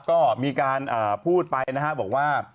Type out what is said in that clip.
ก็มีการพูดไปนะครับบอกว่า